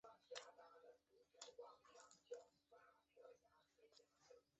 山蓼为蓼科山蓼属下的一个种。